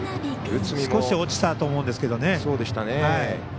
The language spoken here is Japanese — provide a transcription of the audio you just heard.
少し落ちたと思うんですけどね。